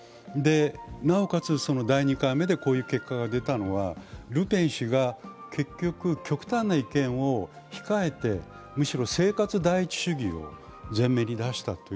なおかつ、第２回目でこういう結果が出たのは、ルペン氏が極端な言論を控えて、むしろ生活第一主義を全面に出した。